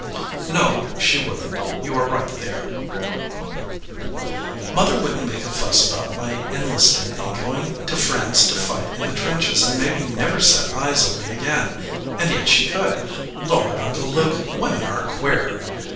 "No, she wouldn t. You are right there." "Mother wouldn t make a fuss about my enlist ing and going to France to fight in the trenches, and maybe never set eyes on me again, and yet she could Lord! Uncle Luke, women are queer!